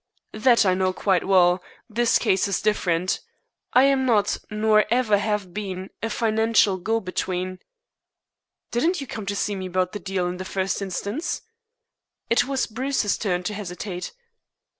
"That I know quite well. This case is different. I am not, nor ever have been, a financial go between." "Didn't you come to see me about the deal in the first instance?" It was Bruce's turn to hesitate.